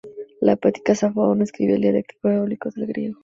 La poetisa Safo aún escribía en el dialecto eólico del griego.